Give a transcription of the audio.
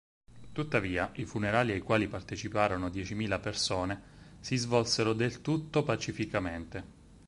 Tuttavia, i funerali, ai quali parteciparono diecimila persone; si svolsero del tutto pacificamente.